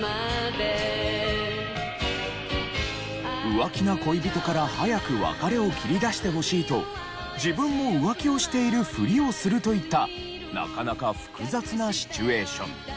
浮気な恋人から早く別れを切りだしてほしいと自分も浮気をしているふりをするといったなかなか複雑なシチュエーション。